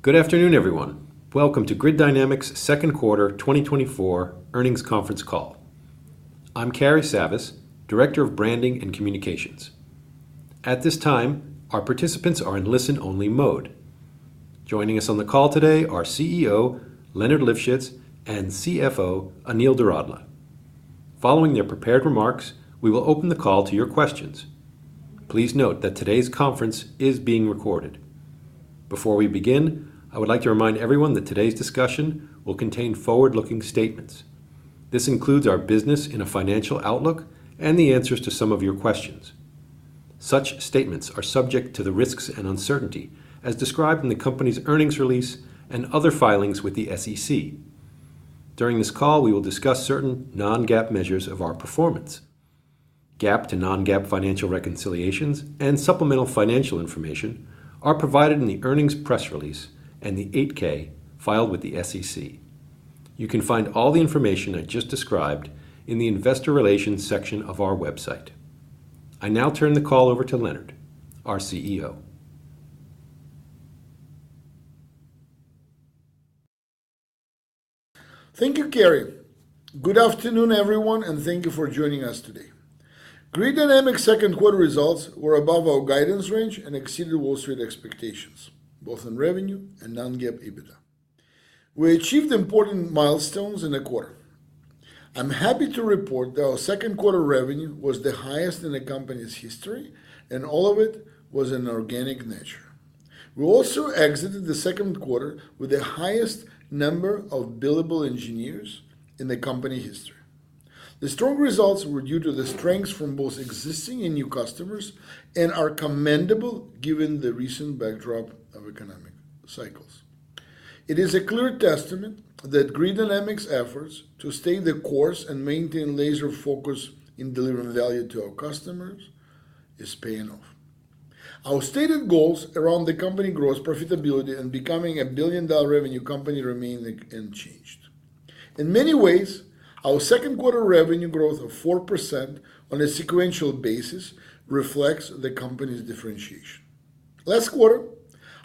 Good afternoon, everyone. Welcome to Grid Dynamics' second quarter 2024 earnings conference call. I'm Cary Savas, Director of Branding and Communications. At this time, our participants are in listen-only mode. Joining us on the call today are CEO, Leonard Livschitz, and CFO, Anil Doradla. Following their prepared remarks, we will open the call to your questions. Please note that today's conference is being recorded. Before we begin, I would like to remind everyone that today's discussion will contain forward-looking statements. This includes our business in a financial outlook and the answers to some of your questions. Such statements are subject to the risks and uncertainty as described in the company's earnings release and other filings with the SEC. During this call, we will discuss certain non-GAAP measures of our performance. GAAP to non-GAAP financial reconciliations and supplemental financial information are provided in the earnings press release and the 8-K filed with the SEC. You can find all the information I just described in the investor relations section of our website. I now turn the call over to Leonard, our CEO. Thank you, Cary. Good afternoon, everyone, and thank you for joining us today. Grid Dynamics second quarter results were above our guidance range and exceeded Wall Street expectations, both in revenue and non-GAAP EBITDA. We achieved important milestones in the quarter. I'm happy to report that our second quarter revenue was the highest in the company's history, and all of it was in organic nature. We also exited the second quarter with the highest number of billable engineers in the company history. The strong results were due to the strengths from both existing and new customers and are commendable given the recent backdrop of economic cycles. It is a clear testament that Grid Dynamics' efforts to stay the course and maintain laser focus in delivering value to our customers is paying off. Our stated goals around the company grows profitability and becoming a billion-dollar revenue company remain unchanged. In many ways, our second quarter revenue growth of 4% on a sequential basis reflects the company's differentiation. Last quarter,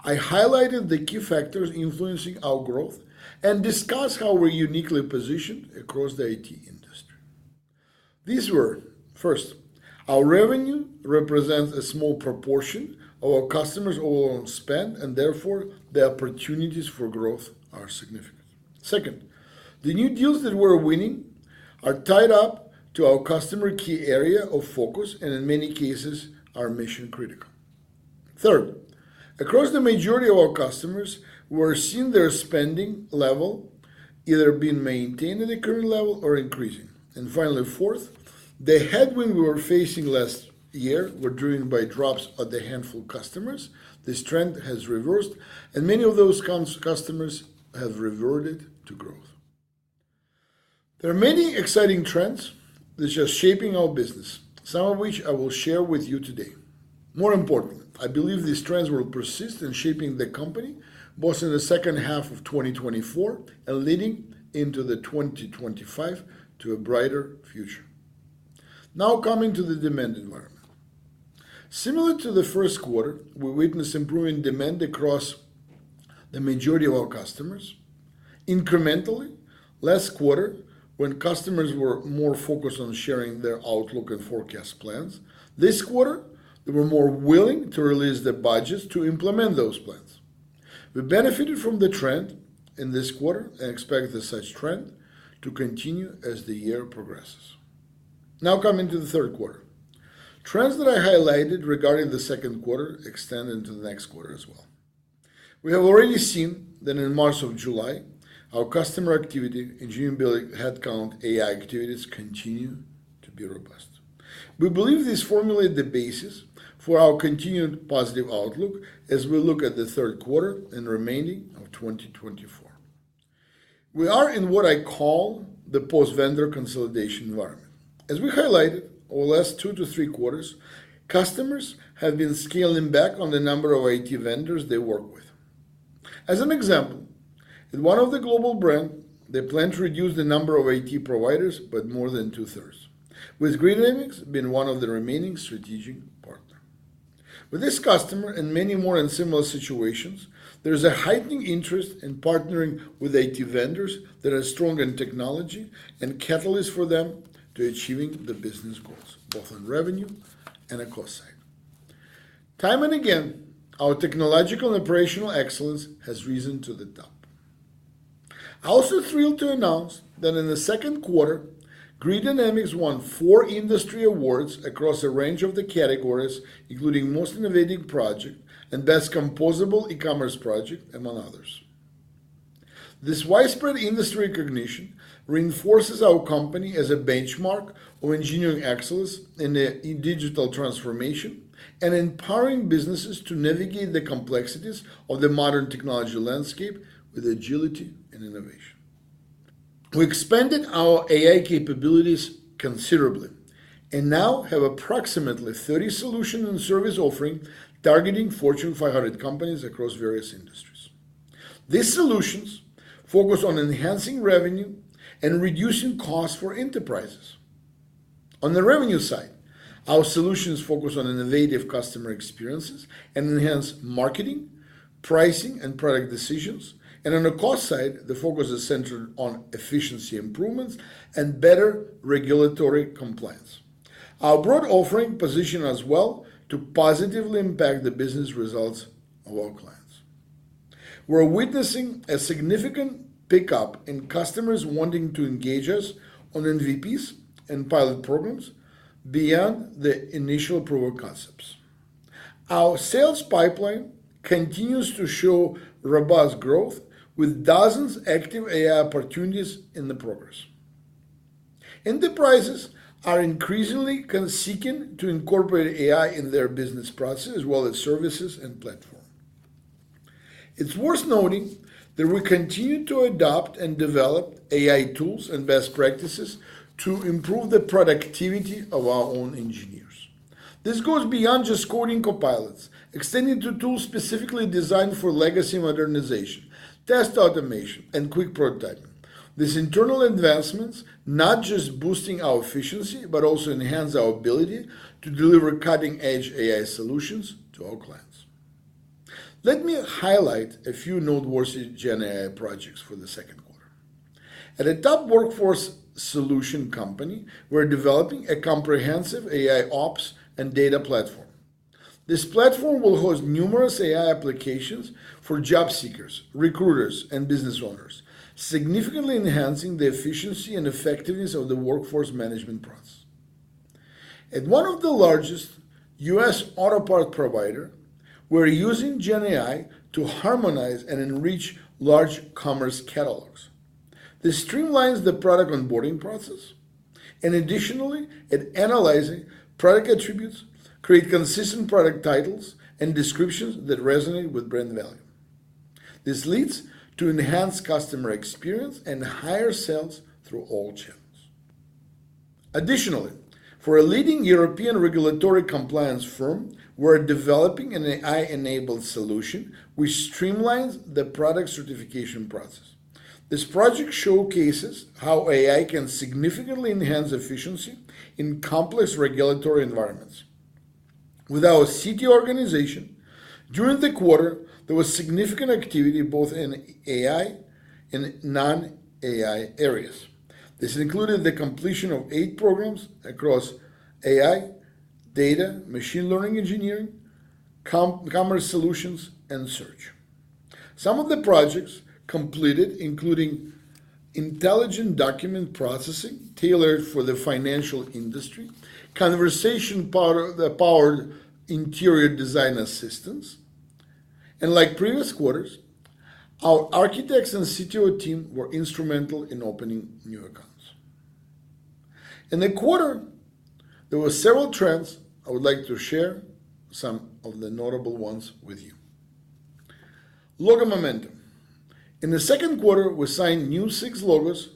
I highlighted the key factors influencing our growth and discussed how we're uniquely positioned across the IT industry. These were, first, our revenue represents a small proportion of our customers' overall spend, and therefore, the opportunities for growth are significant. Second, the new deals that we're winning are tied up to our customer key area of focus and in many cases, are mission-critical. Third, across the majority of our customers, we're seeing their spending level either being maintained at a current level or increasing. And finally, fourth, the headwind we were facing last year were driven by drops at a handful of customers. This trend has reversed, and many of those customers have reverted to growth. There are many exciting trends which are shaping our business, some of which I will share with you today. More importantly, I believe these trends will persist in shaping the company, both in the second half of 2024 and leading into 2025 to a brighter future. Now, coming to the demand environment. Similar to the first quarter, we witnessed improving demand across the majority of our customers. Incrementally, last quarter, when customers were more focused on sharing their outlook and forecast plans, this quarter, they were more willing to release the budgets to implement those plans. We benefited from the trend in this quarter and expect the such trend to continue as the year progresses. Now, coming to the third quarter. Trends that I highlighted regarding the second quarter extend into the next quarter as well. We have already seen that in March and July, our customer activity, engineering billing, headcount, AI activities continue to be robust. We believe this formulate the basis for our continued positive outlook as we look at the third quarter and remaining of 2024. We are in what I call the post-vendor consolidation environment. As we highlighted over the last two to three quarters, customers have been scaling back on the number of IT vendors they work with. As an example, in one of the global brand, they plan to reduce the number of IT providers by more than 2/3, with Grid Dynamics being one of the remaining strategic partner. With this customer and many more in similar situations, there's a heightened interest in partnering with IT vendors that are strong in technology and catalyst for them to achieving the business goals, both on revenue and a cost side. Time and again, our technological and operational excellence has risen to the top. I'm also thrilled to announce that in the second quarter, Grid Dynamics won four industry awards across a range of the categories, including Most Innovative Project and Best Composable E-commerce Project, among others. This widespread industry recognition reinforces our company as a benchmark for engineering excellence in digital transformation and empowering businesses to navigate the complexities of the modern technology landscape with agility and innovation. We expanded our AI capabilities considerably and now have approximately 30 solution and service offering targeting Fortune 500 companies across various industries. These solutions focus on enhancing revenue and reducing costs for enterprises. On the revenue side, our solutions focus on innovative customer experiences and enhance marketing, pricing, and product decisions. And on the cost side, the focus is centered on efficiency improvements and better regulatory compliance. Our broad offering positions us as well to positively impact the business results of our clients. We're witnessing a significant pickup in customers wanting to engage us on MVPs and pilot programs beyond the initial proof of concepts. Our sales pipeline continues to show robust growth, with dozens active AI opportunities in progress. Enterprises are increasingly seeking to incorporate AI in their business process, as well as services and platform. It's worth noting that we continue to adopt and develop AI tools and best practices to improve the productivity of our own engineers. This goes beyond just coding copilots, extending to tools specifically designed for legacy modernization, test automation, and quick prototyping. These internal advancements, not just boosting our efficiency, but also enhance our ability to deliver cutting-edge AI solutions to our clients. Let me highlight a few noteworthy GenAI projects for the second quarter. At a top workforce solution company, we're developing a comprehensive AIOps and data platform. This platform will host numerous AI applications for job seekers, recruiters, and business owners, significantly enhancing the efficiency and effectiveness of the workforce management process. At one of the largest U.S. auto parts providers, we're using GenAI to harmonize and enrich large commerce catalogs. This streamlines the product onboarding process, and additionally, it's analyzing product attributes, creating consistent product titles and descriptions that resonate with brand value. This leads to enhanced customer experience and higher sales through all channels. Additionally, for a leading European regulatory compliance firm, we're developing an AI-enabled solution, which streamlines the product certification process. This project showcases how AI can significantly enhance efficiency in complex regulatory environments. With our CTO organization, during the quarter, there was significant activity, both in AI and non-AI areas. This included the completion of eight programs across AI, data, machine learning engineering, commerce solutions, and search. Some of the projects completed, including intelligent document processing tailored for the financial industry, conversation-powered interior design assistance. Like previous quarters, our architects and CTO team were instrumental in opening new accounts. In the quarter, there were several trends. I would like to share some of the notable ones with you. Logo momentum. In the second quarter, we signed new six logos,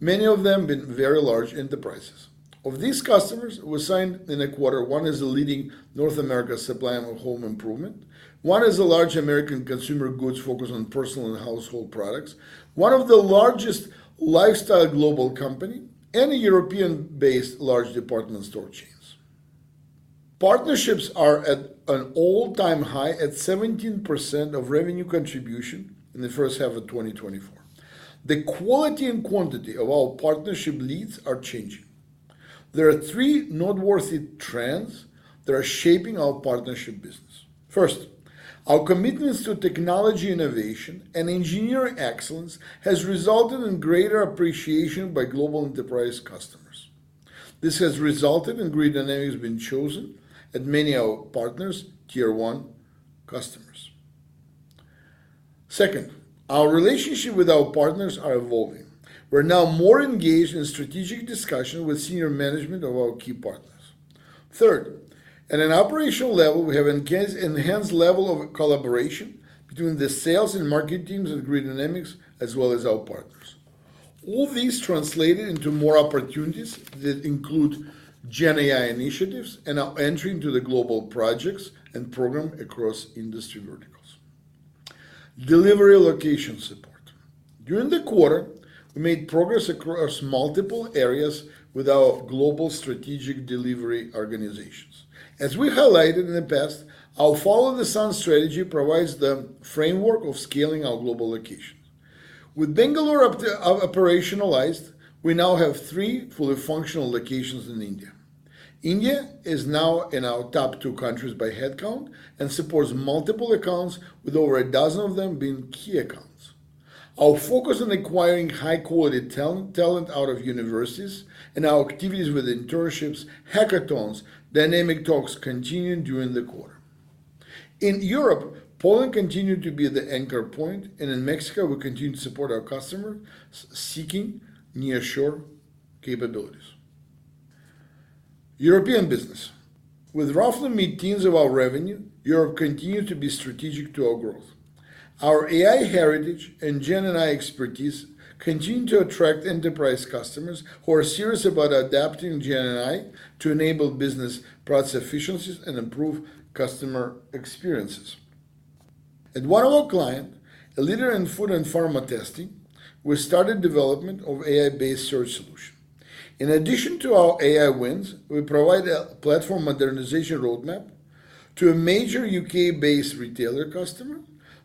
many of them being very large enterprises. Of these customers we signed in the quarter, one is a leading North America supplier of home improvement, one is a large American consumer goods focused on personal and household products, one of the largest lifestyle global company, and a European-based large department store chains. Partnerships are at an all-time high, at 17% of revenue contribution in the first half of 2024. The quality and quantity of our partnership leads are changing. There are three noteworthy trends that are shaping our partnership business. First, our commitments to technology innovation and engineering excellence has resulted in greater appreciation by global enterprise customers. This has resulted in Grid Dynamics being chosen as many of our partners, tier one customers. Second, our relationship with our partners are evolving. We're now more engaged in strategic discussion with senior management of our key partners. Third, at an operational level, we have enhanced level of collaboration between the sales and market teams of Grid Dynamics, as well as our partners. All these translated into more opportunities that include GenAI initiatives and are entering to the global projects and program across industry verticals. Delivery location support. During the quarter, we made progress across multiple areas with our global strategic delivery organizations. As we highlighted in the past, our follow-the-sun strategy provides the framework of scaling our global locations. With Bangalore operationalized, we now have three fully functional locations in India. India is now in our top two countries by headcount and supports multiple accounts, with over a dozen of them being key accounts. Our focus on acquiring high-quality talent out of universities and our activities with internships, hackathons, Dynamic Talks continued during the quarter. In Europe, Poland continued to be the anchor point, and in Mexico, we continue to support our customers seeking nearshore capabilities. European business. With roughly mid-teens% of our revenue, Europe continue to be strategic to our growth. Our AI heritage and GenAI expertise continue to attract enterprise customers who are serious about adapting GenAI to enable business process efficiencies and improve customer experiences. At one of our clients, a leader in food and pharma testing, we started development of AI-based search solution. In addition to our AI wins, we provide a platform modernization roadmap to a major U.K.-based retailer customer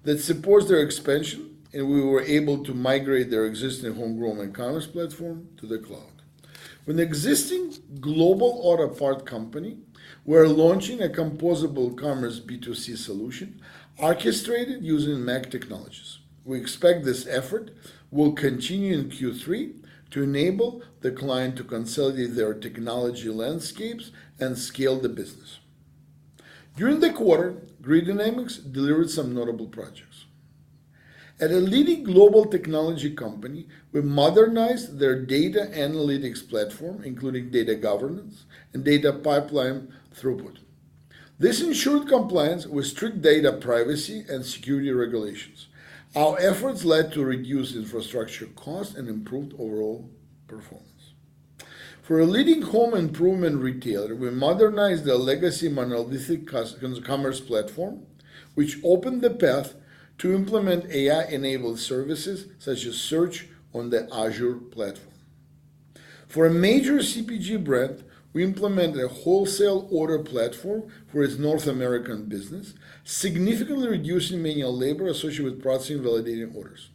that supports their expansion, and we were able to migrate their existing homegrown e-commerce platform to the cloud. With an existing global auto part company, we're launching a composable commerce B2C solution orchestrated using MACH technologies. We expect this effort will continue in Q3 to enable the client to consolidate their technology landscapes and scale the business. During the quarter, Grid Dynamics delivered some notable projects. At a leading global technology company, we modernized their data analytics platform, including data governance and data pipeline throughput. This ensured compliance with strict data privacy and security regulations. Our efforts led to reduced infrastructure costs and improved overall performance. For a leading home improvement retailer, we modernized their legacy monolithic custom commerce platform, which opened the path to implement AI-enabled services, such as search on the Azure platform. For a major CPG brand, we implemented a wholesale order platform for its North American business, significantly reducing manual labor associated with processing and validating orders.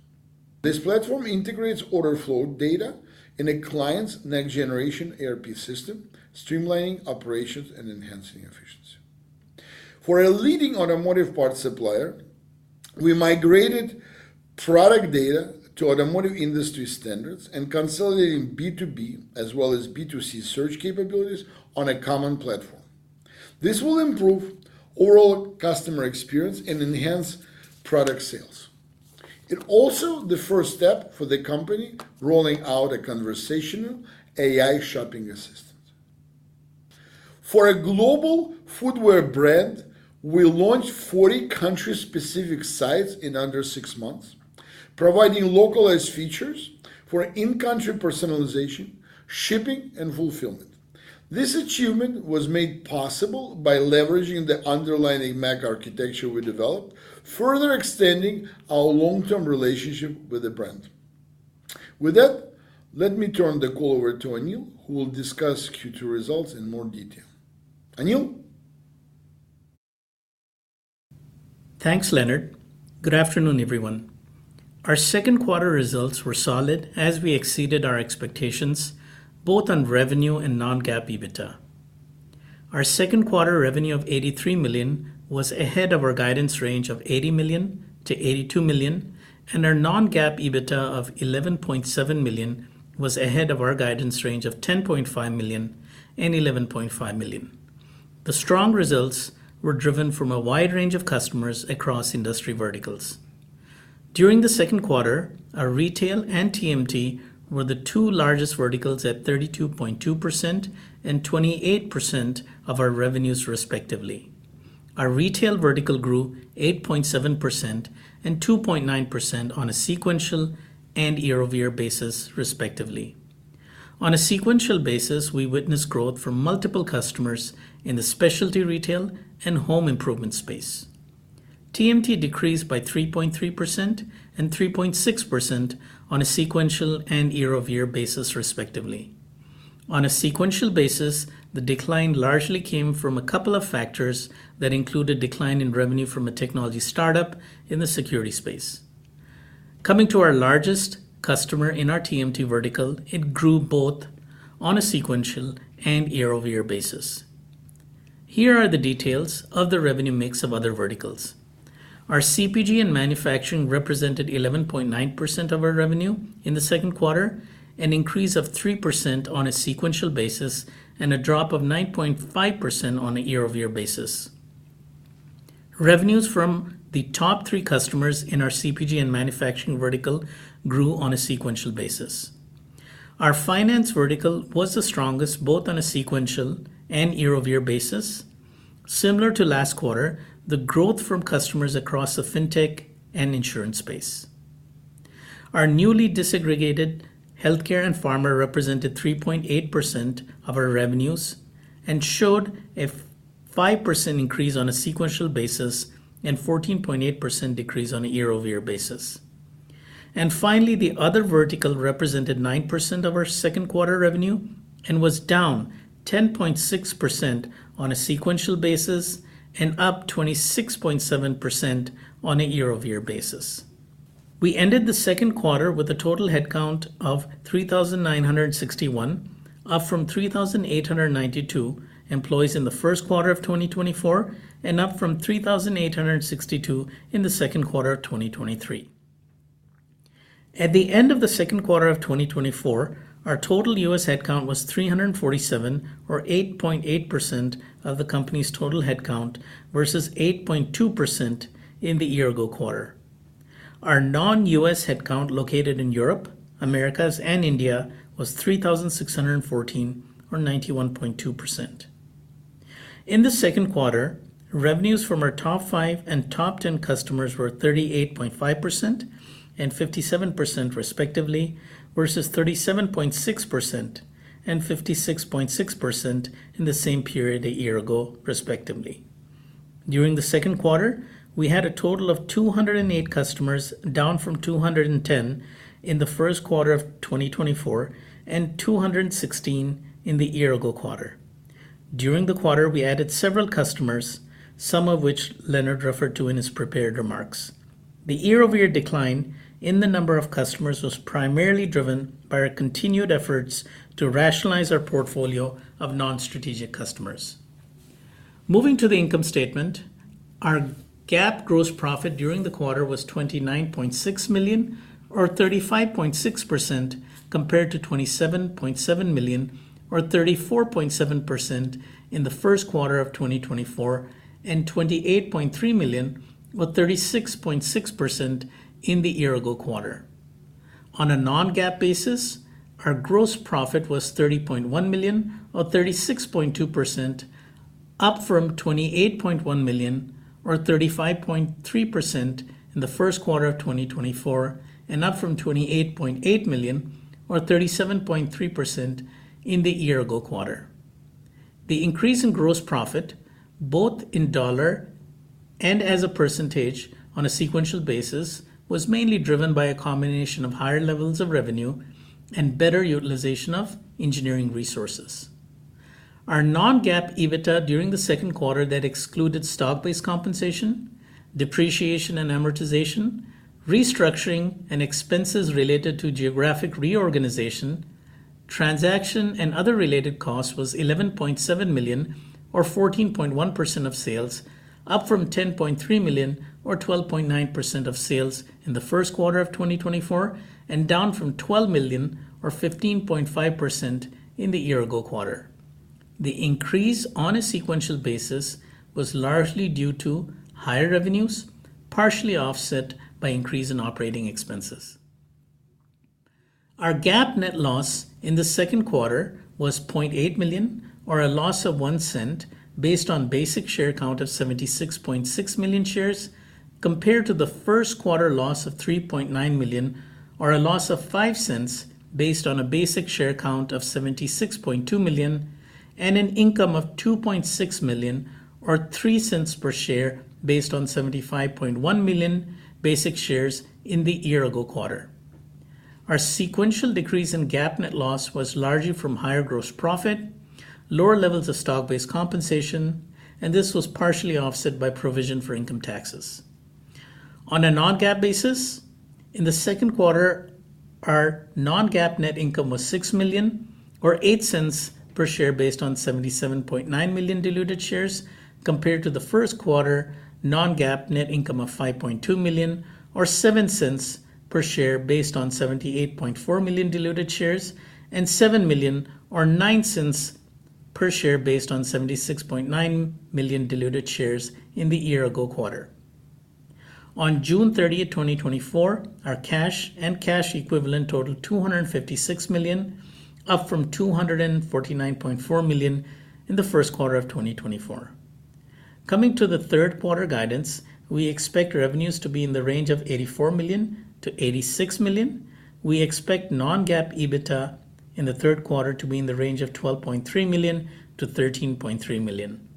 This platform integrates order flow data in a client's next-generation ERP system, streamlining operations and enhancing efficiency. For a leading automotive parts supplier, we migrated product data to automotive industry standards and consolidating B2B as well as B2C search capabilities on a common platform. This will improve overall customer experience and enhance product sales. It also the first step for the company rolling out a conversational AI shopping assistant. For a global footwear brand, we launched 40 country-specific sites in under six months, providing localized features for in-country personalization, shipping, and fulfillment. This achievement was made possible by leveraging the underlying MACH architecture we developed, further extending our long-term relationship with the brand. With that, let me turn the call over to Anil, who will discuss Q2 results in more detail. Anil? Thanks, Leonard. Good afternoon, everyone. Our second quarter results were solid as we exceeded our expectations, both on revenue and non-GAAP EBITDA. Our second quarter revenue of $83 million was ahead of our guidance range of $80 million-$82 million, and our non-GAAP EBITDA of $11.7 million was ahead of our guidance range of $10.5 million-$11.5 million. The strong results were driven from a wide range of customers across industry verticals. During the second quarter, our retail and TMT were the two largest verticals, at 32.2% and 28% of our revenues, respectively. Our retail vertical grew 8.7% and 2.9% on a sequential and year-over-year basis, respectively. On a sequential basis, we witnessed growth from multiple customers in the specialty retail and home improvement space. TMT decreased by 3.3% and 3.6% on a sequential and year-over-year basis, respectively. On a sequential basis, the decline largely came from a couple of factors that include a decline in revenue from a technology startup in the security space. Coming to our largest customer in our TMT vertical, it grew both on a sequential and year-over-year basis. Here are the details of the revenue mix of other verticals. Our CPG and manufacturing represented 11.9% of our revenue in the second quarter, an increase of 3% on a sequential basis and a drop of 9.5% on a year-over-year basis. Revenues from the top three customers in our CPG and manufacturing vertical grew on a sequential basis. Our finance vertical was the strongest, both on a sequential and year-over-year basis. Similar to last quarter, the growth from customers across the fintech and insurance space. Our newly disaggregated healthcare and pharma represented 3.8% of our revenues and showed a 5% increase on a sequential basis and 14.8% decrease on a year-over-year basis. Finally, the other vertical represented 9% of our second quarter revenue and was down 10.6% on a sequential basis and up 26.7% on a year-over-year basis. We ended the second quarter with a total headcount of 3,961, up from 3,892 employees in the first quarter of 2024 and up from 3,862 in the second quarter of 2023. At the end of the second quarter of 2024, our total U.S. headcount was 347, or 8.8% of the company's total headcount, versus 8.2% in the year-ago quarter. Our non-U.S. headcount, located in Europe, Americas, and India, was 3,614, or 91.2%. In the second quarter, revenues from our top five and top ten customers were 38.5% and 57%, respectively, versus 37.6% and 56.6% in the same period a year ago, respectively. During the second quarter, we had a total of 208 customers, down from 210 in the first quarter of 2024, and 216 in the year-ago quarter. During the quarter, we added several customers, some of which Leonard referred to in his prepared remarks. The year-over-year decline in the number of customers was primarily driven by our continued efforts to rationalize our portfolio of non-strategic customers. Moving to the income statement, our GAAP gross profit during the quarter was $29.6 million, or 35.6%, compared to $27.7 million, or 34.7%, in the first quarter of 2024, and $28.3 million, or 36.6%, in the year ago quarter. On a non-GAAP basis, our gross profit was $30.1 million, or 36.2%, up from $28.1 million, or 35.3%, in the first quarter of 2024, and up from $28.8 million, or 37.3%, in the year ago quarter. The increase in gross profit, both in dollar and as a percentage on a sequential basis, was mainly driven by a combination of higher levels of revenue and better utilization of engineering resources. Our Non-GAAP EBITDA during the second quarter that excluded stock-based compensation, depreciation and amortization, restructuring and expenses related to geographic reorganization, transaction and other related costs was $11.7 million, or 14.1% of sales, up from $10.3 million, or 12.9% of sales in the first quarter of 2024, and down from $12 million or 15.5% in the year-ago quarter. The increase on a sequential basis was largely due to higher revenues, partially offset by increase in operating expenses. Our GAAP net loss in the second quarter was $0.8 million, or a loss of $0.01, based on basic share count of 76.6 million shares, compared to the first quarter loss of $3.9 million, or a loss of $0.05, based on a basic share count of 76.2 million, and an income of $2.6 million, or $0.03 per share, based on 75.1 million basic shares in the year ago quarter. Our sequential decrease in GAAP net loss was largely from higher gross profit, lower levels of stock-based compensation, and this was partially offset by provision for income taxes. On a Non-GAAP basis, in the second quarter, our Non-GAAP net income was $6 million, or $0.08 per share, based on 77.9 million diluted shares, compared to the first quarter Non-GAAP net income of $5.2 million, or $0.07 per share, based on 78.4 million diluted shares, and $7 million or $0.09 per share based on 76.9 million diluted shares in the year ago quarter. On June 30, 2024, our cash and cash equivalent totaled $256 million, up from $249.4 million in the first quarter of 2024. Coming to the third quarter guidance, we expect revenues to be in the range of $84 million-$86 million. We expect Non-GAAP EBITDA in the third quarter to be in the range of $12.3 million-$13.3 million.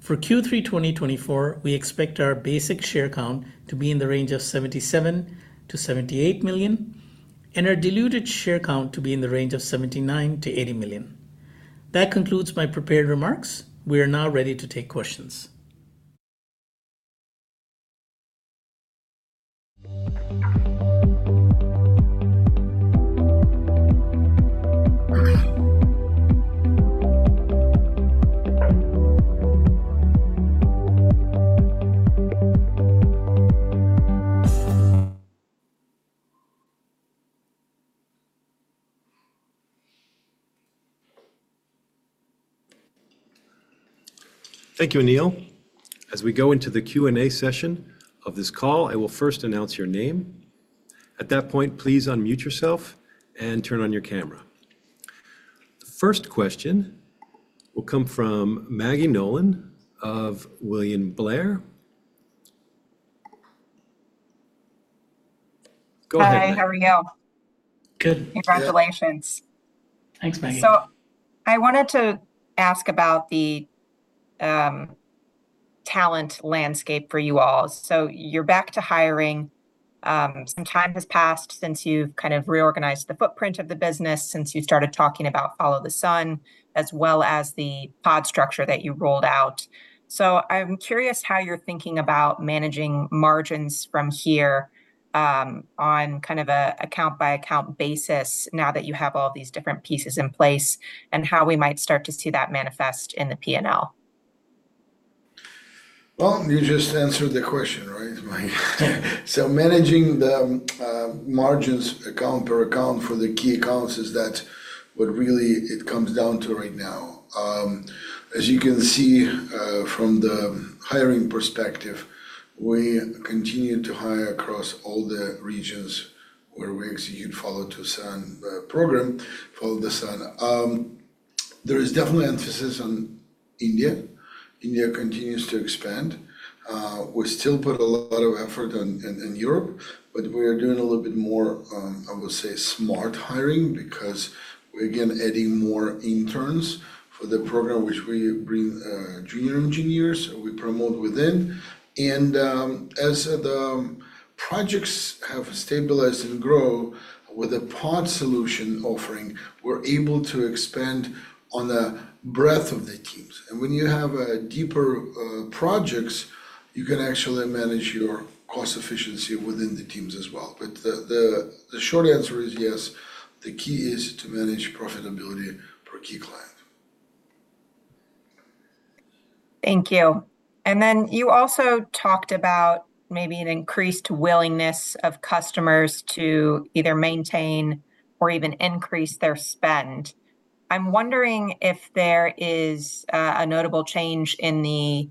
For Q3, 2024, we expect our basic share count to be in the range of 77 million-78 million and our diluted share count to be in the range of 79 million-80 million. That concludes my prepared remarks. We are now ready to take questions. Thank you, Anil. As we go into the Q&A session of this call, I will first announce your name. At that point, please unmute yourself and turn on your camera. The first question will come from Maggie Nolan of William Blair. Go ahead. Hi, how are you? Good. Congratulations. Thanks, Maggie. I wanted to ask about the talent landscape for you all. You're back to hiring. Some time has passed since you've kind of reorganized the footprint of the business, since you started talking about Follow the Sun, as well as the pod structure that you rolled out. I'm curious how you're thinking about managing margins from here, on kind of a account-by-account basis, now that you have all these different pieces in place, and how we might start to see that manifest in the P&L. Well, you just answered the question, right, Maggie? So managing the margins account per account for the key accounts is that what really it comes down to right now. As you can see, from the hiring perspective, we continue to hire across all the regions where we execute Follow the Sun program, Follow the Sun. There is definitely emphasis on India. India continues to expand. We still put a lot of effort in Europe, but we are doing a little bit more, I would say, smart hiring, because we're again adding more interns for the program, which we bring junior engineers, or we promote within. As the projects have stabilized and grow with a pod solution offering, we're able to expand on the breadth of the teams. And when you have deeper projects, you can actually manage your cost efficiency within the teams as well. But the short answer is yes, the key is to manage profitability per key client. Thank you. And then you also talked about maybe an increased willingness of customers to either maintain or even increase their spend. I'm wondering if there is a notable change in the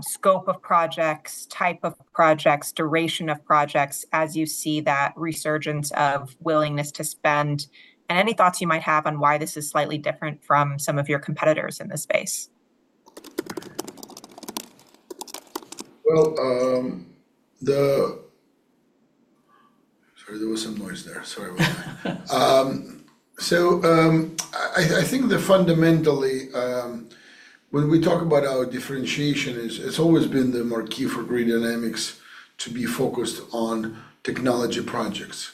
scope of projects, type of projects, duration of projects, as you see that resurgence of willingness to spend, and any thoughts you might have on why this is slightly different from some of your competitors in this space? Well, sorry, there was some noise there. Sorry about that. So, I think that fundamentally, when we talk about our differentiation, it's always been the marquee for Grid Dynamics to be focused on technology projects.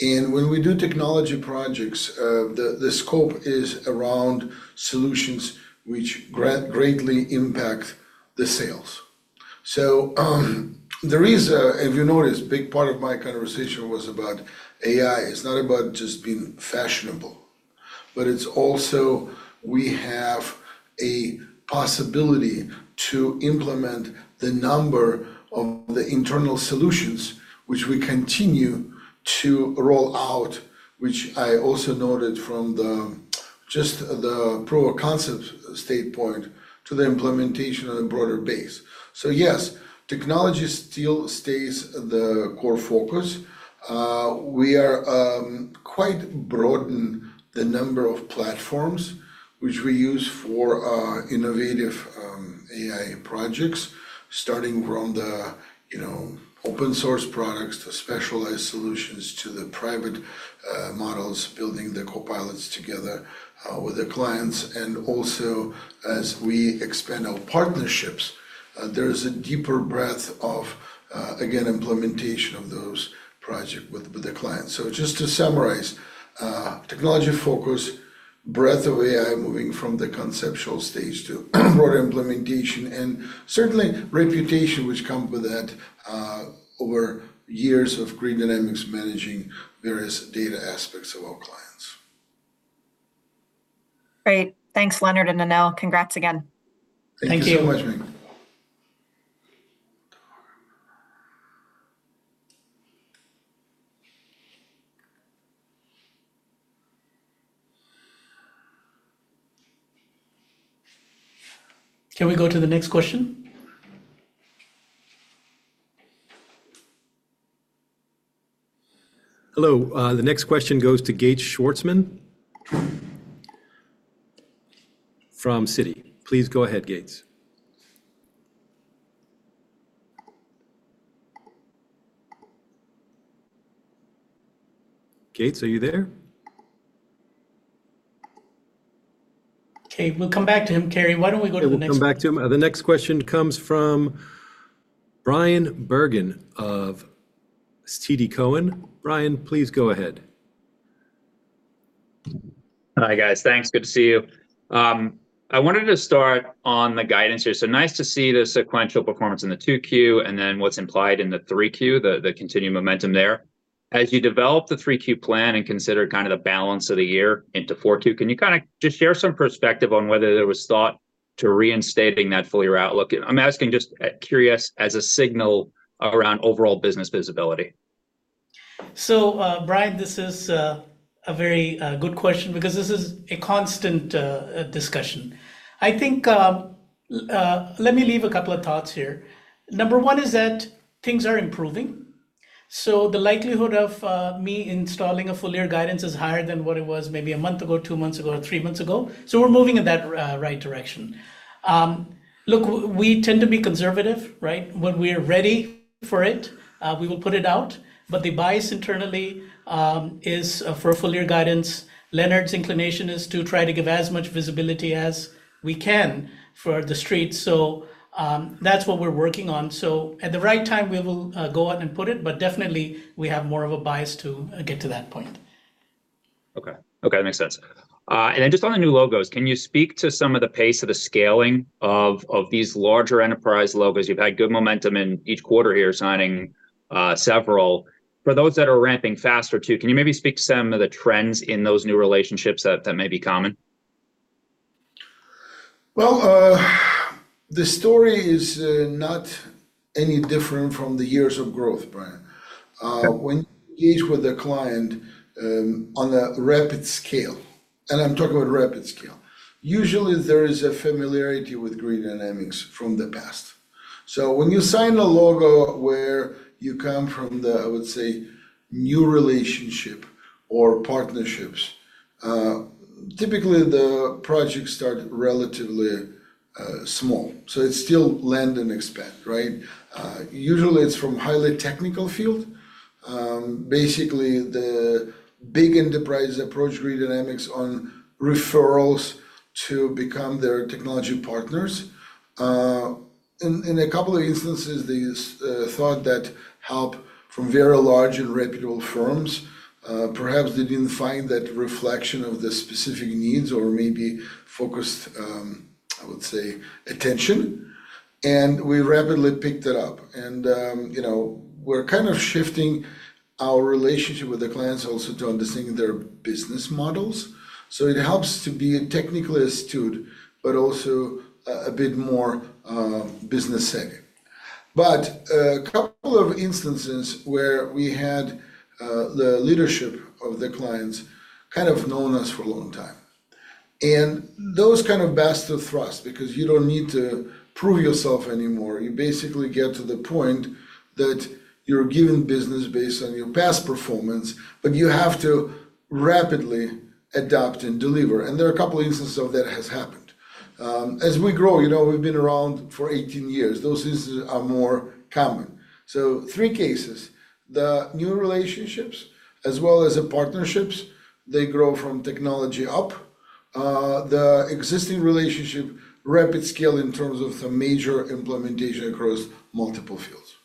And when we do technology projects, the scope is around solutions which greatly impact the sales. So, there is a, if you noticed, a big part of my conversation was about AI. It's not about just being fashionable, but it's also we have a possibility to implement the number of the internal solutions which we continue to roll out, which I also noted from just the proof of concept standpoint to the implementation on a broader base. So yes, technology still stays the core focus. We are quite broaden the number of platforms which we use for our innovative AI projects, starting from the, you know, open source products, to specialized solutions, to the private models, building the Copilots together with the clients. And also, as we expand our partnerships, there is a deeper breadth of, again, implementation of those project with, with the clients. So just to summarize: technology focus, breadth of AI, moving from the conceptual stage to broader implementation, and certainly reputation which come with that, over years of Grid Dynamics managing various data aspects of our clients. Great. Thanks, Leonard and Anil. Congrats again! Thank you. Thank you so much, Maggie. Can we go to the next question? Hello, the next question goes to Gates Schwarzman from Citi. Please go ahead, Gates. Gates, are you there? Okay, we'll come back to him. Cary, why don't we go to the next- We'll come back to him. The next question comes from Bryan Bergin of TD Cowen. Bryan, please go ahead. Hi, guys. Thanks. Good to see you. I wanted to start on the guidance here. So nice to see the sequential performance in the 2Q, and then what's implied in the 3Q, the continuing momentum there. As you develop the 3Q plan and consider kind of the balance of the year into 4Q, can you kinda just share some perspective on whether there was thought to reinstating that full year outlook? I'm asking just curious as a signal around overall business visibility. So, Bryan, this is a very good question because this is a constant discussion. I think, let me leave a couple of thoughts here. Number one is that things are improving, so the likelihood of me issuing a full year guidance is higher than what it was maybe a month ago, two months ago, or three months ago. So we're moving in that right direction. Look, we tend to be conservative, right? When we are ready for it, we will put it out, but the bias internally is for a full year guidance. Leonard's inclination is to try to give as much visibility as we can for the street. So, that's what we're working on. So at the right time, we will go out and put it, but definitely we have more of a bias to get to that point. Okay. Okay, that makes sense. And then just on the new logos, can you speak to some of the pace of the scaling of these larger enterprise logos? You've had good momentum in each quarter here, signing several. For those that are ramping faster too, can you maybe speak to some of the trends in those new relationships that may be common? Well, the story is not any different from the years of growth, Bryan. When you engage with a client on a rapid scale, and I'm talking about rapid scale, usually there is a familiarity with Grid Dynamics from the past. So when you sign a logo where you come from the, I would say, new relationship or partnerships, typically, the projects start relatively small, so it's still land and expand, right? Usually, it's from highly technical field. Basically, the big enterprise approach Grid Dynamics on referrals to become their technology partners. In a couple of instances, they thought that help from very large and reputable firms, perhaps they didn't find that reflection of the specific needs or maybe focused, I would say, attention, and we rapidly picked it up. And you know, we're kind of shifting our relationship with the clients also to understanding their business models. So it helps to be technically astute, but also a bit more business savvy. But a couple of instances where we had the leadership of the clients kind of known us for a long time. And those kind of past trust, because you don't need to prove yourself anymore. You basically get to the point that you're given business based on your past performance, but you have to rapidly adapt and deliver, and there are a couple instances of that has happened. As we grow, you know, we've been around for 18 years, those instances are more common. So three cases, the new relationships as well as the partnerships, they grow from technology up. The existing relationship, rapid scale in terms of the major implementation across multiple fields.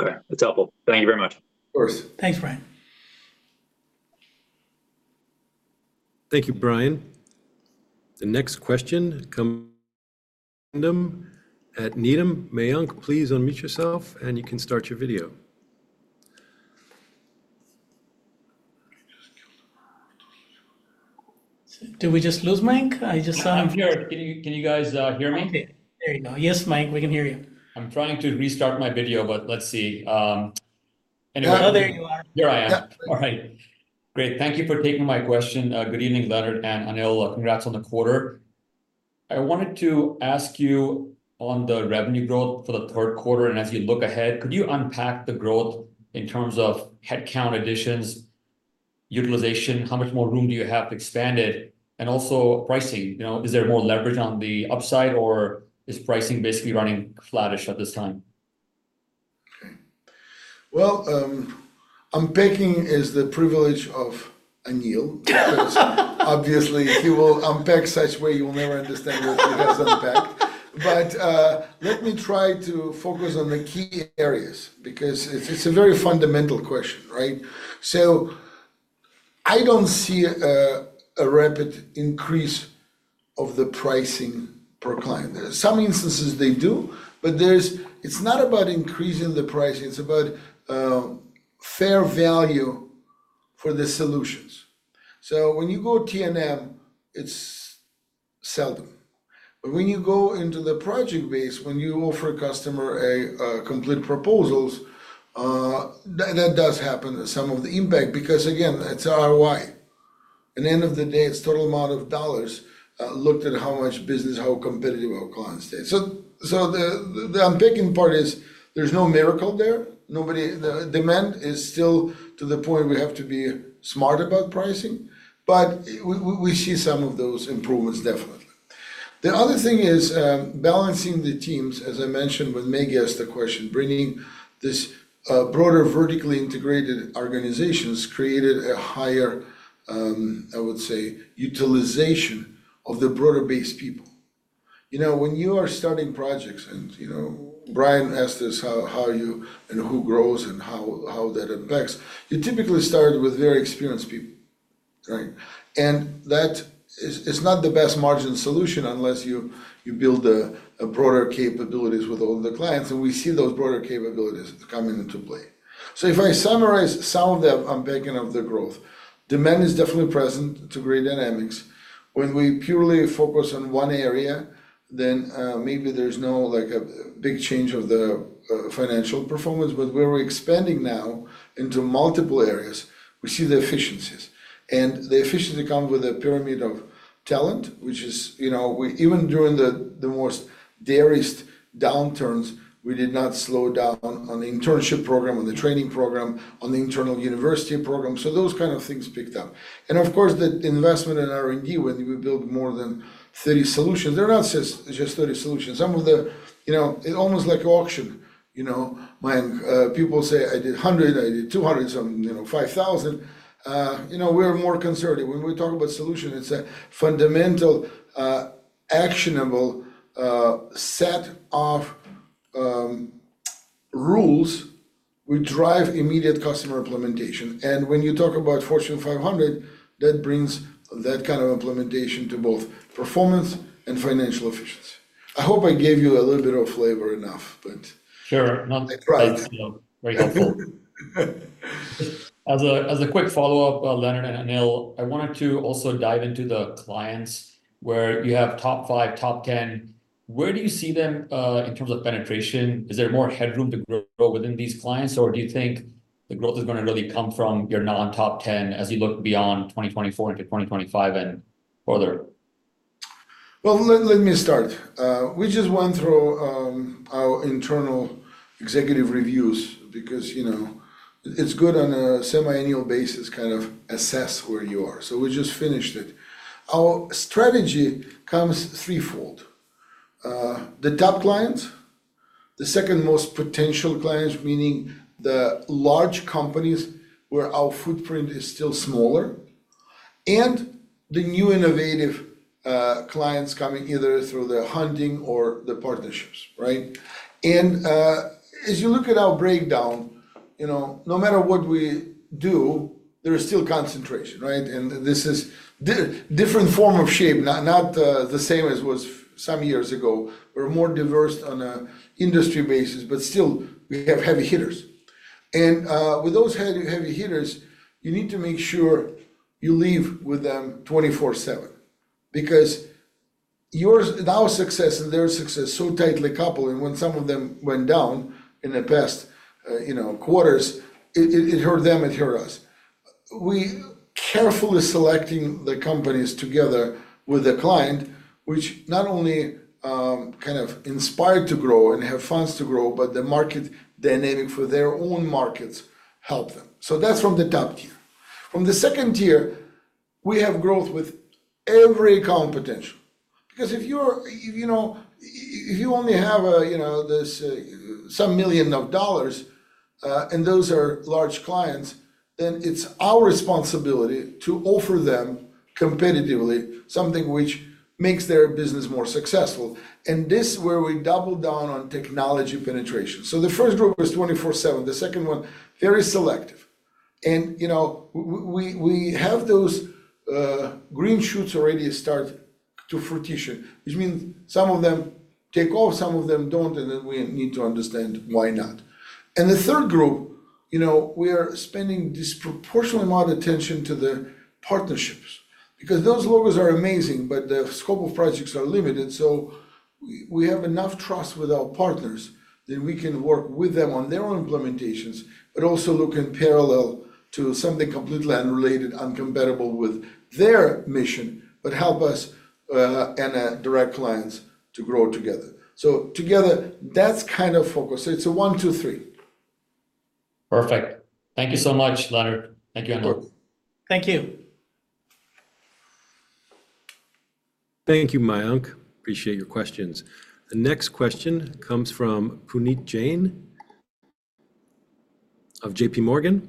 Okay. That's helpful. Thank you very much. Of course. Thanks, Bryan. Thank you, Bryan. The next question comes from Needham. Mayank, please unmute yourself, and you can start your video. Did we just lose Mayank? I just saw him. I'm here. Can you, can you guys, hear me? Okay. There you go. Yes, Mayank, we can hear you. I'm trying to restart my video, but let's see, anyway. Oh, there you are. Here I am. Yeah. All right. Great. Thank you for taking my question. Good evening, Leonard and Anil. Congrats on the quarter. I wanted to ask you on the revenue growth for the third quarter, and as you look ahead, could you unpack the growth in terms of headcount additions, utilization? How much more room do you have to expand it? And also pricing, you know, is there more leverage on the upside, or is pricing basically running flattish at this time? Okay. Well, unpacking is the privilege of Anil - because obviously, he will unpack such way, you will never understand what he has unpacked. But, let me try to focus on the key areas because it's, it's a very fundamental question, right? So I don't see a, a rapid increase of the pricing per client. There are some instances they do, but there's - it's not about increasing the pricing, it's about, fair value for the solutions. So when you go T&M, it's seldom, but when you go into the project base, when you offer a customer a, complete proposals, that does happen, some of the impact, because again, it's ROI. At the end of the day, it's total amount of dollars, looked at how much business, how competitive our clients stay. So, so the, the unpacking part is there's no miracle there. Nobody. The demand is still to the point we have to be smart about pricing, but we see some of those improvements, definitely. The other thing is balancing the teams, as I mentioned, when Maggie asked the question, bringing this broader, vertically integrated organizations created a higher, I would say, utilization of the broader base people. You know, when you are starting projects, and, you know, Brian asked this, how you, and who grows and how that impacts, you typically start with very experienced people, right? And that is not the best margin solution unless you build a broader capabilities with all the clients, and we see those broader capabilities coming into play. So if I summarize some of the unpacking of the growth, demand is definitely present to Grid Dynamics. When we purely focus on one area, then, maybe there's no, like, a big change of the financial performance, but we're expanding now into multiple areas. We see the efficiencies, and the efficiency comes with a pyramid of talent, which is, you know, we, even during the most direst downturns, we did not slow down on the internship program, on the training program, on the internal university program. So those kind of things picked up. And of course, the investment in R&D, when we build more than 30 solutions, they're not just 30 solutions. Some of the, you know, it's almost like auction. You know, my people say, "I did 100, I did 200, some, you know, 5,000." You know, we're more conservative. When we talk about solution, it's a fundamental, actionable, set of rules which drive immediate customer implementation. When you talk about Fortune 500, that brings that kind of implementation to both performance and financial efficiency. I hope I gave you a little bit of flavor enough. Sure. I tried. Very helpful. As a, as a quick follow-up, Leonard and Anil, I wanted to also dive into the clients where you have top five, top ten. Where do you see them, in terms of penetration? Is there more headroom to grow within these clients, or do you think the growth is gonna really come from your non-top ten as you look beyond 2024 into 2025 and further? Well, let me start. We just went through our internal executive reviews because, you know, it's good on a semiannual basis, kind of assess where you are. So we just finished it. Our strategy comes threefold. The top clients, the second most potential clients, meaning the large companies where our footprint is still smaller, and the new innovative clients coming either through the hunting or the partnerships, right? And as you look at our breakdown, you know, no matter what we do, there is still concentration, right? And this is different form of shape, not the same as it was some years ago. We're more diverse on a industry basis, but still, we have heavy hitters. And with those heavy, heavy hitters, you need to make sure you leave with them 24/7, because your, our success and their success so tightly coupled, and when some of them went down in the past, you know, quarters, it hurt them, it hurt us. We carefully selecting the companies together with the client, which not only kind of inspired to grow and have funds to grow, but the market they're naming for their own markets help them. So that's from the top tier. From the second tier, we have growth with every account potential. Because if you're, you know, if you only have, you know, some million dollars, and those are large clients, then it's our responsibility to offer them competitively, something which makes their business more successful. And this is where we double down on technology penetration. So the first group is 24/7. The second one, very selective. And, you know, we have those green shoots already start to fruition, which means some of them take off, some of them don't, and then we need to understand why not. And the third group, you know, we are spending disproportionate amount of attention to the partnerships, because those logos are amazing, but the scope of projects are limited, so we have enough trust with our partners that we can work with them on their own implementations, but also look in parallel to something completely unrelated and compatible with their mission, but help us and direct clients to grow together. So together, that's kind of focused. It's a one, two, three. Perfect. Thank you so much, Leonard. Thank you, Anil. Thank you. Thank you, Mayank. Appreciate your questions. The next question comes from Puneet Jain of JPMorgan.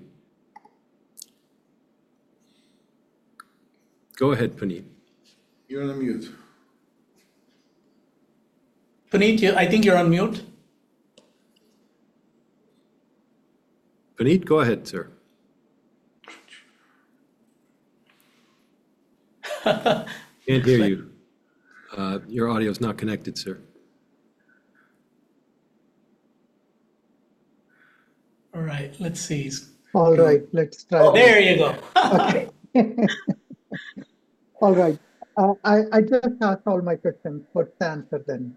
Go ahead, Puneet. You're on mute. Puneet, you, I think you're on mute. Puneet, go ahead, sir. Can't hear you. Your audio is not connected, sir. All right, let's see. All right, let's try. There you go. All right. I just asked all my questions, but answered then.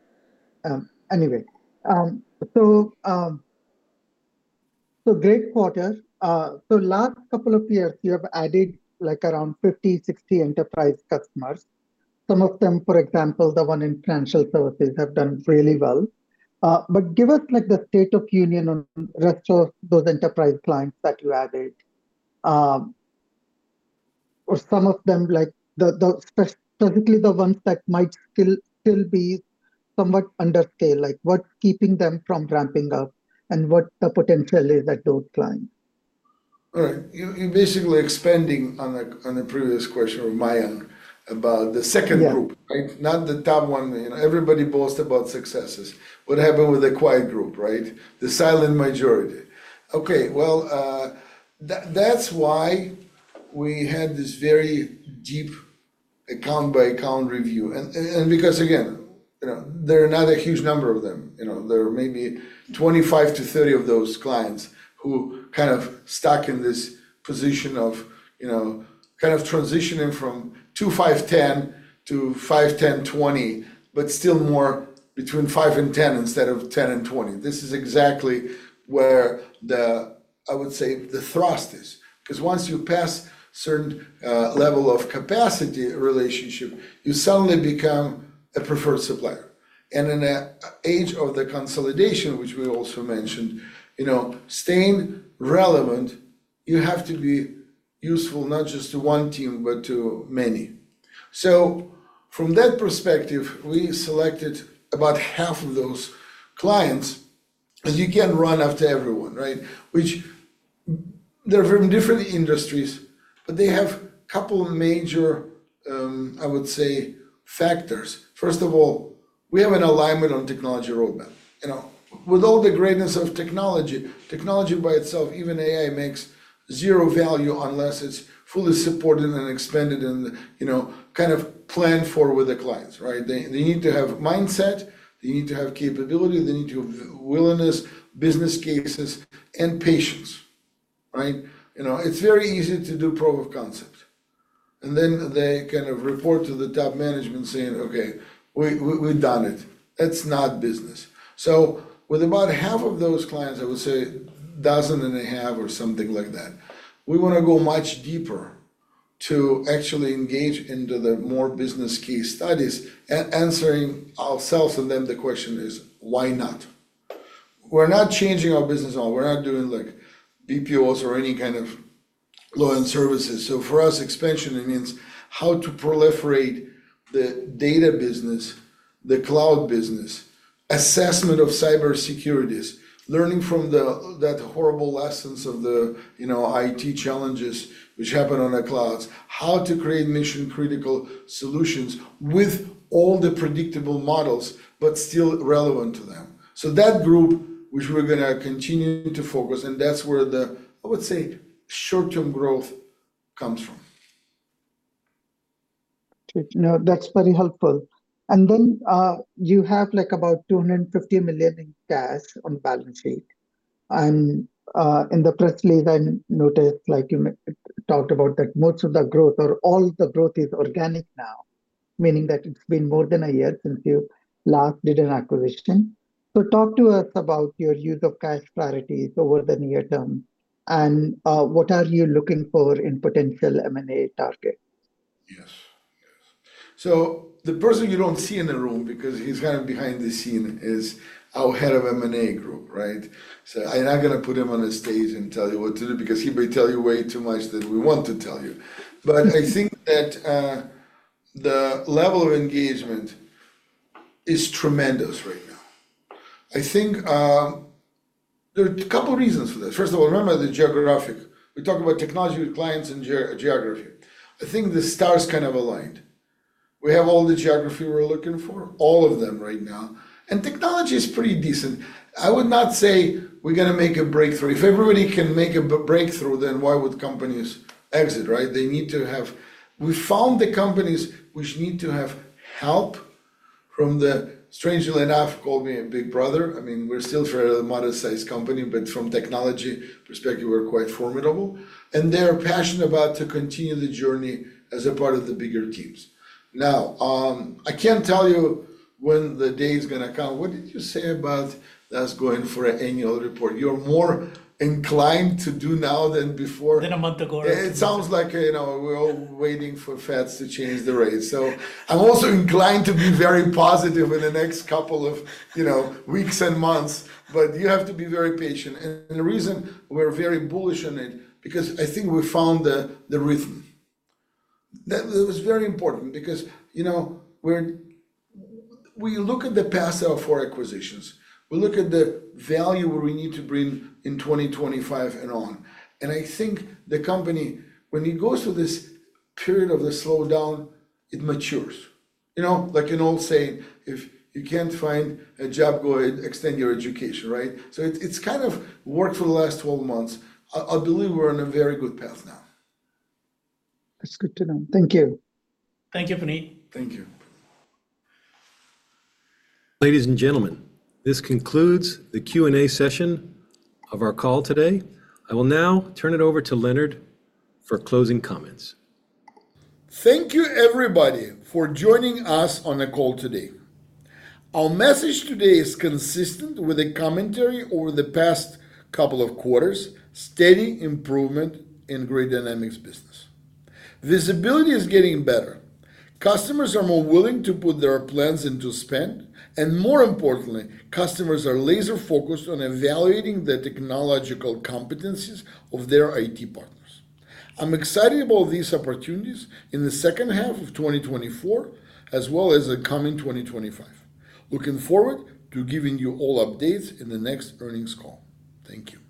Anyway, so great quarter. So last couple of years, you have added, like, around 50, 60 enterprise customers. Some of them, for example, the one in financial services, have done really well. But give us, like, the state of union on rest of those enterprise clients that you added. Or some of them, like the, the, specifically the ones that might still, still be somewhat under scale, like what keeping them from ramping up and what the potential is of those clients? All right. You basically expanding on the previous question with Mayank about the second group. Right? Not the top one. You know, everybody boasts about successes. What happened with the quiet group, right? The silent majority. Okay, well, that, that's why we had this very deep account-by-account review. And because, again, you know, there are not a huge number of them. You know, there are maybe 25-30 of those clients who kind of stuck in this position of, you know, kind of transitioning from two, five, 10 to five, 10, 20, but still more between five and 10 instead of 10 and 20. This is exactly where the, I would say, the thrust is. Because once you pass a certain level of capacity relationship, you suddenly become a preferred supplier. And in an age of the consolidation, which we also mentioned, you know, staying relevant, you have to be useful not just to one team, but to many. So from that perspective, we selected about half of those clients, because you can't run after everyone, right? Which they're from different industries, but they have couple of major, I would say, factors. First of all, we have an alignment on technology roadmap. You know, with all the greatness of technology, technology by itself, even AI, makes zero value unless it's fully supported and expanded and, you know, kind of planned for with the clients, right? They, they need to have mindset, they need to have capability, they need to have willingness, business cases, and patience, right? You know, it's very easy to do proof of concept, and then they kind of report to the top management saying, "Okay, we've done it." It's not business. So with about half of those clients, I would say 18 or something like that. We wanna go much deeper to actually engage into the more business case studies, answering ourselves and them the question is, why not? We're not changing our business model. We're not doing, like, BPOs or any kind of loan services. So for us, expansion, it means how to proliferate the data business, the cloud business, assessment of cyber securities, learning from that horrible lessons of the, you know, IT challenges which happen on the clouds. How to create mission-critical solutions with all the predictable models, but still relevant to them. So that group, which we're gonna continue to focus, and that's where the, I would say, short-term growth comes from. Okay. No, that's very helpful. And then, you have, like, about $250 million in cash on balance sheet. And, in the press release, I noticed, like, you talked about that most of the growth or all the growth is organic now, meaning that it's been more than a year since you last did an acquisition. So talk to us about your use of cash priorities over the near term, and, what are you looking for in potential M&A targets? Yes. Yes. So the person you don't see in the room, because he's kind of behind the scene, is our head of M&A group, right? So I'm not gonna put him on the stage and tell you what to do, because he may tell you way too much than we want to tell you. But I think that the level of engagement is tremendous right now. I think there are a couple reasons for this. First of all, remember the geographic. We talked about technology with clients and geography. I think the stars kind of aligned. We have all the geography we're looking for, all of them right now, and technology is pretty decent. I would not say we're gonna make a breakthrough. If everybody can make a breakthrough, then why would companies exit, right? They need to have. We found the companies which need to have help from the, strangely enough, call me a big brother. I mean, we're still a fairly moderate-sized company, but from technology perspective, we're quite formidable, and they're passionate about to continue the journey as a part of the bigger teams. Now, I can't tell you when the day is gonna come. What did you say about that's going for an annual report? You're more inclined to do now than before. Than a month ago. It sounds like, you know, we're all waiting for Feds to change the rate. So I'm also inclined to be very positive in the next couple of, you know, weeks and months, but you have to be very patient. And the reason we're very bullish on it is because I think we found the rhythm. That was very important because, you know, we look at the past of our four acquisitions. We look at the value where we need to bring in 2025 and on. And I think the company, when it goes through this period of the slowdown, it matures. You know, like an old saying, "If you can't find a job, go ahead, extend your education," right? So it's kind of worked for the last 12 months. I believe we're on a very good path now. That's good to know. Thank you. Thank you, Puneet. Thank you. Ladies and gentlemen, this concludes the Q&A session of our call today. I will now turn it over to Leonard for closing comments. Thank you, everybody, for joining us on the call today. Our message today is consistent with the commentary over the past couple of quarters: steady improvement in Grid Dynamics business. Visibility is getting better. Customers are more willing to put their plans into spend, and more importantly, customers are laser focused on evaluating the technological competencies of their IT partners. I'm excited about these opportunities in the second half of 2024, as well as the coming 2025. Looking forward to giving you all updates in the next earnings call. Thank you.